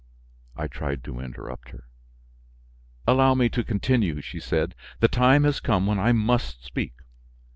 I tried to interrupt her. "Allow me to continue," she said, "the time has come when I must speak.